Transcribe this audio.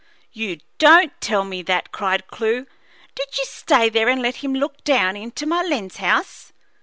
"You don't tell me that!" cried Clewe. "Did you stay there and let him look down into my lens house?"